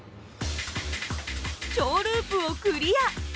小ループをクリア。